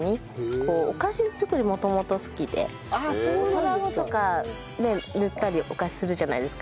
卵とかね塗ったりお菓子するじゃないですか。